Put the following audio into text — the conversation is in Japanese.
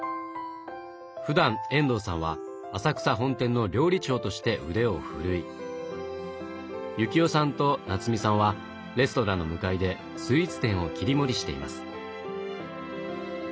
ふだん延藤さんは浅草本店の料理長として腕をふるい由季世さんと奈津美さんはレストランの向かいでスイーツ店を切り盛りしています。